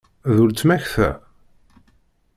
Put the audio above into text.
D uletma-k ta?